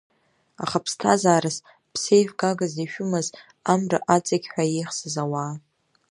Аха ԥсҭазаарас, ԥсеивгагас ишәымаз Амра аҵыкьҳәа еихсыз ауаа…